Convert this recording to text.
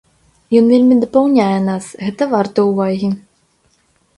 Ён вельмі дапаўняе нас, гэта варта ўвагі!